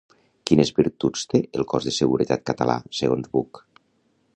Quines virtuts té el cos de seguretat català, segons Buch?